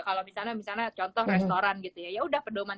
kalau misalnya contoh restoran gitu ya yaudah pedoman